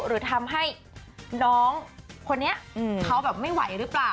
หรือทำให้น้องคนนี้เขาแบบไม่ไหวหรือเปล่า